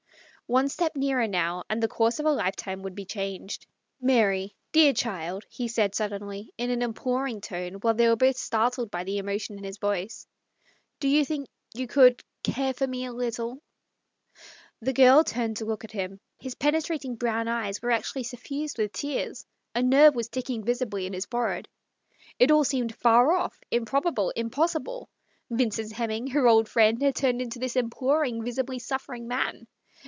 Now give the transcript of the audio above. One step nearer, now, and the course of a life time would be changed. " Mary, dear child,' 1 he said suddenly, in an imploring tone, while they were both startled by the loudness of his voice, " do you think you — care for me a little ?" The girl turned to look at him. His pene trating brown eyes were actually suffused with tears ; a nerve was ticking visibly in his forehead. It all seemed far off, improbable, impossible. Vincent Hemming, her old friend, had turned into this imploring, visibly suffering man.